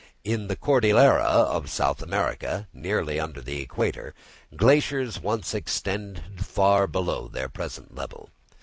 In the Cordillera of South America, nearly under the equator, glaciers once extended far below their present level.